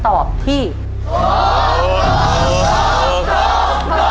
ขอบคุณครับ